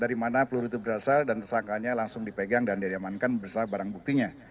dari mana peluru itu berasal dan tersangkanya langsung dipegang dan dia diamankan bersama barang buktinya